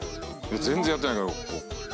全然やってないから。